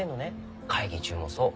会議中もそう。